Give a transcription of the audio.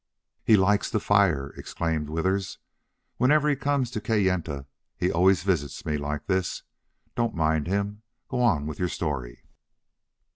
"He likes the fire," explained Withers. "Whenever he comes to Kayenta he always visits me like this.... Don't mind him. Go on with your story."